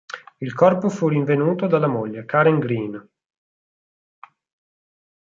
Il corpo fu rinvenuto dalla moglie, Karen Green.